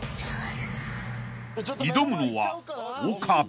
［挑むのは岡部］